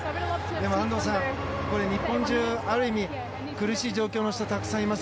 でも、安藤さん日本中、ある意味苦しい状況の人たくさんいます。